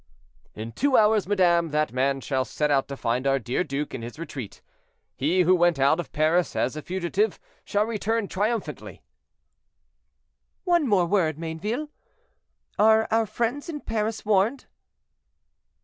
"In two hours, madame, that man shall set out to find our dear duke in his retreat; he who went out of Paris as a fugitive shall return triumphantly." "One word more, Mayneville; are our friends in Paris warned?"